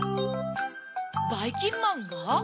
ばいきんまんが？